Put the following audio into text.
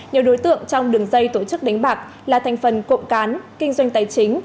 nhiều đối tượng trong đường dây tổ chức đánh bạc là thành phần cộng cán kinh doanh tài chính